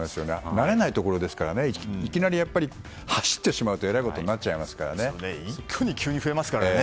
慣れないところですからいきなり走ってしまうと一挙に急に増えますからね。